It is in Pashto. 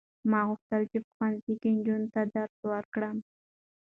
ما غوښتل چې په ښوونځي کې نجونو ته درس ورکړم.